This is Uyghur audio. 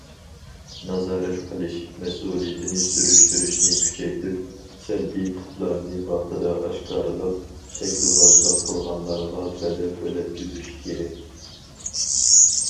نازارەت قىلىش، مەسئۇلىيىتىنى سۈرۈشتۈرۈشنى كۈچەيتىپ، سەلبىي تىپلارنى ۋاقتىدا ئاشكارىلاپ، شەكىلۋازلىق قىلغانلارغا بەدەل تۆلەتكۈزۈش كېرەك.